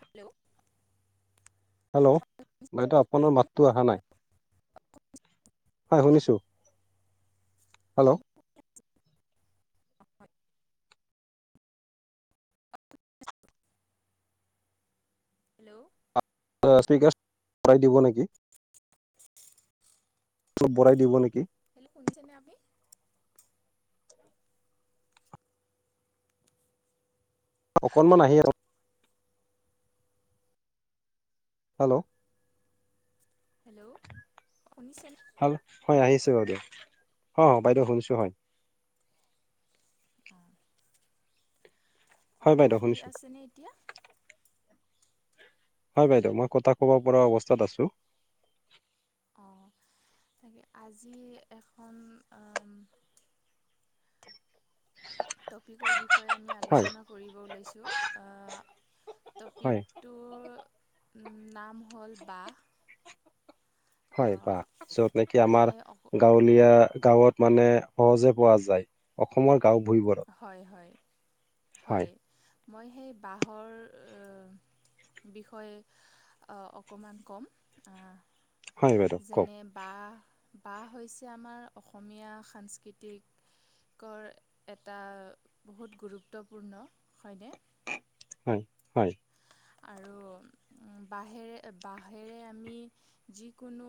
Hello hello বাইদেউ আপোনাৰ মাতটো অহা নাই। হয় শুনিছো হেল্ল' হেল্ল' লাউচস্পিকাৰ বঢ়াই দিব নেকি [unintelligible] অলপ বঢ়াই দিব নেকি হেল্ল শুনিছেনে আপুনি অকণমান আহে হেল্ল' হেল্ল' শুনিছে হেল্ল' হয় আহিছে অকে অ' বাইদেউ শুনিছো হয় আ হয় আপুনি বাইদেউ ফ্ৰী শুনিছো আছেনে এতিয়া হয় বাইদেউ মই কথা ক'ব পৰা অৱস্থাত আছো। অ তাকে আজি এখন আ টপিকৰ বিষয়ে আমি হয় আলোচনা কৰিব ওলাইছোঁ আ হয় টপিক এইটোৰ নাম হ'ল বাঁহ। হয় বাঁহ য'ত নেকি মই আমাৰ হয় গাঁৱলীয়া গাঁৱত মানে সহজে পোৱা যায়, অসমৰ গাঁও ভুমিবোৰত। হয়, হয় হয় মই সেই বাঁহৰ এ বিষয়ে অ অকণমান কম। হয় বাইদেউ কওক যেনে বাঁহ, বাঁহ হৈছে আমাৰ অসমীয়া সাংস্কৃতিক কৰ এটা বহুত গুৰুত্বপূৰ্ণ হয়নে হয়, হয়। আৰু উম বাঁহেৰে, বাঁহেৰে আমি যি কোনো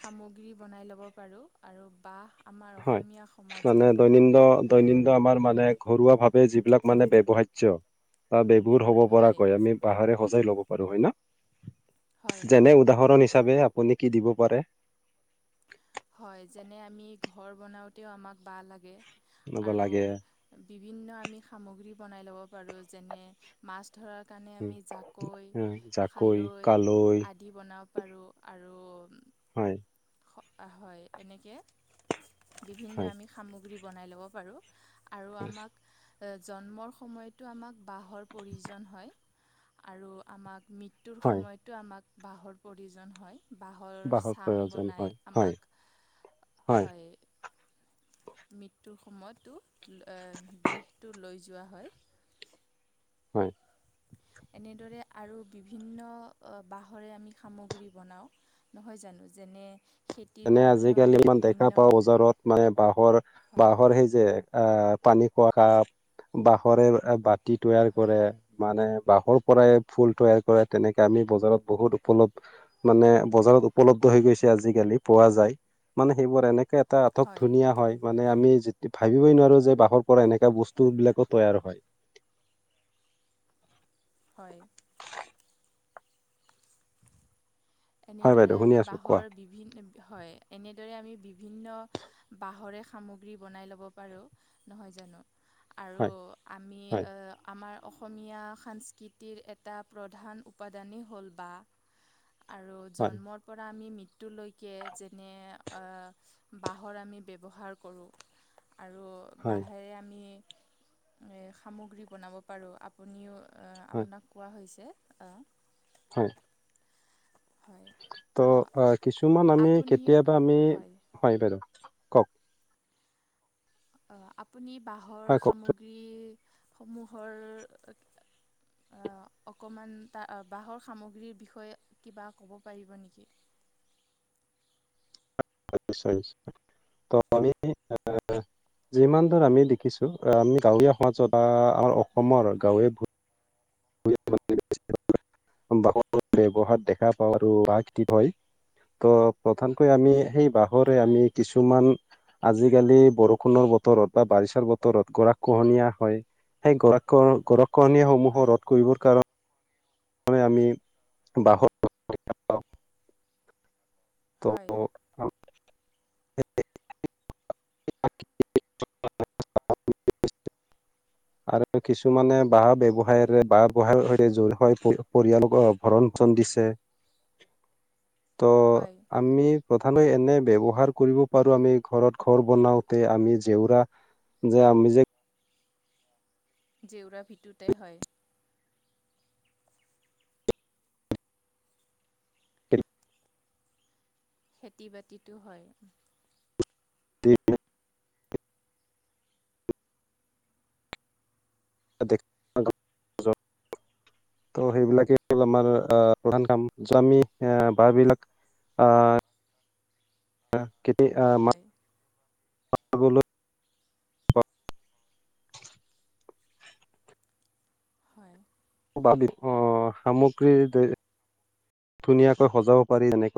সামগ্ৰী বনাই ল'ব পাৰোঁ। আৰু বাঁহ আমাৰ হয় অসমীয়া মানে সমাজৰ দৈনিন্দ কাৰণে দৈনিন্দ আমাৰ মানে ঘৰুৱা ভাৱে যিবিলাক মানে ব্যৱহাৰ্য বা বেবুৰ হ'ব হয় পৰাকৈ আমি বাঁহাৰে সজাই ল'ব পাৰো হয় না? হয় হয় যেনে উদাহৰণ হিচাপে আপুনি কি দিব পাৰে? হয়, যেনে আমি ঘৰ বনাওঁতেও আমাক বাঁহ লাগে। এনেকুৱা আৰু লাগে বিভিন্ন আমি সামগ্ৰী বনাই ল'ব পাৰোঁ। যেনে মাছ ধৰাৰ কাৰণে উম, আমি জাকৈ উম, জাকৈ খালৈ কালৈ আদি বনাব পাৰোঁ। আৰু হয়। সপ্তা হয়, এনেকে বিভিন্ন হয় আমি সামগ্ৰী বনাই ল'ব পাৰোঁ। আৰু আমাক জন্মৰ সময়টো আমাক বাঁহৰ প্ৰয়োজন হয়। আৰু আমাক মৃ তুৰ হয় সময়তো আমাক বাঁহৰ প্ৰয়োজন হয়। বাঁহৰ চাং প্ৰয়োজন বনাই হয় হয় আমাক হয়। মৃত্যুৰ সময়তো এ দেহটো লৈ যোৱা হয়। হয়। এনেদৰে আৰু বিভিন্ন আ বাঁহৰে আমি সামগ্ৰী বনাওঁ। নহয় জানো? যেনে খেতিৰ এনে কাৰণেও আজিকালি আমি ইমান দেখা বিভিন্ন পাওঁ বজাৰত মানে বাঁহৰ, হয় বাঁহৰ সেই যে আহ পানী খোৱা কাপ, বাঁহৰে বাতি তৈয়াৰ হয় কৰে। মানে বাঁহৰ পৰাই ফুল তৈয়াৰ কৰে। তেনেকা আমি বজাৰত বহুত উপল্ধ মানে বজাৰত উপলব্ধ হৈ গৈছে আজিকালি। পোৱা যায়। মানে সেইবোৰ এনেকে এটা আটক হয় ধুনীয়া হয়। মানে আমি যে ভাবিবই নোৱাৰো যে বাঁহৰ পৰা এনেকা বস্তু বিলাকো তৈয়াৰ হয়। হয়। হয় এনেদৰে বাইদেউ শুনি আমি আছো কোৱা বাঁহৰ বিভিন হয়, এনেদৰে আমি বিভিন্ন বাঁহৰে সামগ্ৰী বনাই ল'ব পাৰোঁ। নহয় জানো? হয় আৰু হয় আমি- আমাৰ অসমীয়া সাংস্কৃতিৰ এটা প্ৰধান উপাদানেই হ'ল বাঁহ। আৰু হয় জন্মৰ পৰা আমি মৃত্যুলৈকে যেনে আ বাঁহৰ আমি ব্যৱহাৰ কৰোঁ আৰু হয় বাঁহেৰে আমি এ সামগ্ৰী বনাব পাৰোঁ। আপুনিও এ হয় আপোনাক কোৱা হৈছে অ' হয়। হয়। তো অ', আ, কিছুমান আমি আপুনি কেতিয়াবা আমি, হয় বাইদেউ। কওক আ আপুনি বাঁহৰ হয় কওকচোন সামগ্ৰীসমূহৰ আ অকণমানটা বাঁহৰ সামগ্ৰীৰ বিষয়ে কিবা ক'ব পাৰিব নেকি? [unintelligible] ত' আমি এ যিমান দূৰ আমি দেখিছো আমি গাঁৱলীয়া মাজত আ আমাৰ হয় অসমৰ গাঁৱে [unintelligible] ব্যৱহাৰ দেখা পাওঁ। আৰু বাঁহ খেতি হয়। ত প্ৰধানকৈ আমি সেই বাঁহৰে আমি হয় কিছুমান, আজিকালি বৰষুণৰ বতৰত বা বাৰিষাৰ বতৰত গৰা খহনীয়া হয়। সেই গৰা খ হয় গৰ খহনীয়া হয় সমূহৰ ৰদ কৰিবৰ কাৰণে, মানে আমি বাহৰ, হয়। [unintelligible] [inaudible] আৰু কিছুমানে বাঁহ ব ব্যৱসায়ৰে বাহহ বৱসায়ৰ সৈতে জ হয় পৰিয়ালক ভৰণ পোষণ দিছে। ত হয় আমি, প্ৰথমে এনে ব্যৱহাৰ কৰিব পাৰো আমি ঘৰত ঘৰ বনাওতে আমি জেওৰা ব্যৱহাৰ কৰিব পাৰোঁ। যে আমি যে, জেউৰা ভেটোতে হয়। খেতি বাতিটো হয়। [inaudible] [unintelligible] ত' সেইবিলাকেই হ'ল আমাৰ প্ৰধান কাম যে আমি বিলাক। হয় [unintelligible] হয়। অ সামগ্ৰীৰ ধুনীয়াকৈ সজাব পাৰি এনকৈ।